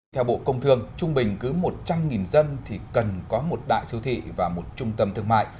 theo bộ công thương trung bình cứ một trăm linh dân thì cần có một đại siêu thị và một trung tâm thương mại